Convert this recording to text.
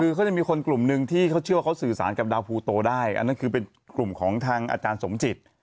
คือเขาจะมีคนกลุ่มหนึ่งที่เขาเชื่อว่าเขาสื่อสารกับดาวภูโตได้อันนั้นคือเป็นกลุ่มของทางอาจารย์สมจิต